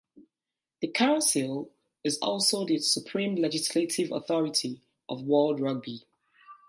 The Council is also the supreme legislative authority of World Rugby.